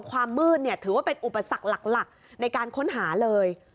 ความมืดถือว่าเป็นอุปสรรคหลักในการค้นหาเลย